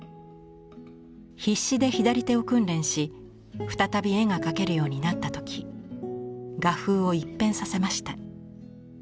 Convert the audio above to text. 必死で左手を訓練し再び絵が描けるようになった時画風を一変させました。